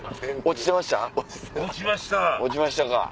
落ちましたか。